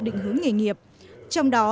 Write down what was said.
định hướng nghề nghiệp trong đó